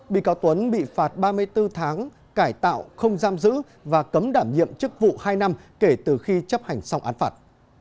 bị cáo tuấn bị phạt ba mươi bốn tháng cải tạo không giam giữ và cấm đảm nhiệm chức vụ hai năm kể từ khi chấp hành xong án phạt